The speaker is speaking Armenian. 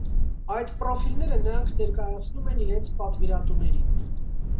Այդ պրոֆիլները նրանք ներկայացնում են իրենց պատվիրատուներին։